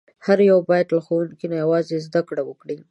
هر یو باید له ښوونکي نه یوازې زده کړه وکړي.